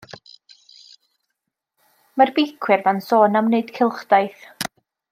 Mae'r beicwyr 'ma'n sôn am neud cylchdaith.